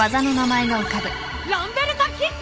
ランベルタキック！